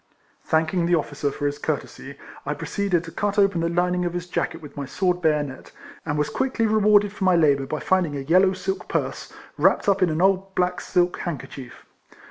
Thanking the officer for his courtesy, I proceeded to cut open the lining of his jacket with my sword bayonet, and was quickly rewarded for my labour by finding a yellow silk purse, wrapped up in an old black silk handkerchief.